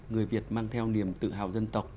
người việt mang theo niềm tự hào dân tộc